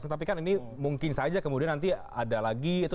tetapi kan ini mungkin saja kemudian nanti ada lagi